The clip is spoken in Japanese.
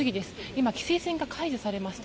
今、規制線が解除されました。